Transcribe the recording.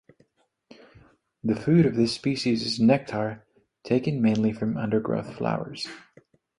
The food of this species is nectar, taken mainly from undergrowth flowers.